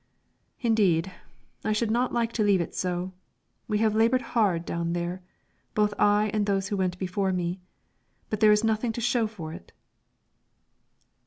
"Indeed, I should not like to leave it so. We have labored hard down there, both I and those who went before me, but there is nothing to show for it."